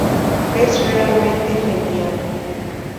Es realmente genial.